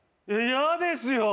嫌ですよ。